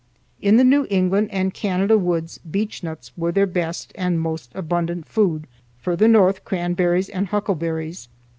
In the New England and Canada woods beechnuts were their best and most abundant food, farther north, cranberries and huckleberries.